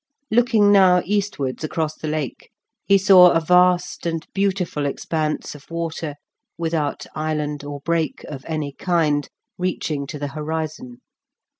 Looking now eastwards, across the Lake, he saw a vast and beautiful expanse of water, without island or break of any kind, reaching to the horizon.